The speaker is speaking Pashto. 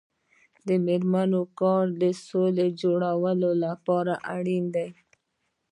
د میرمنو کار د سولې جوړولو لپاره اړین دی.